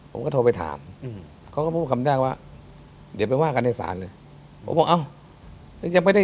ผมก็โทรไปถามเขาก็พูดคำแรกว่าเดี๋ยวไปว่ากันในศาลเลย